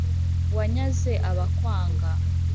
wanyaze abakwanga,